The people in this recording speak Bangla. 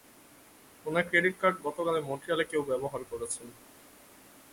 উনার ক্রেডিট কার্ড গতকাল মন্ট্রিয়ালে কেউ ব্যাবহার করেছেন।